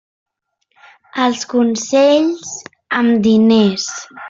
Els consells, amb diners.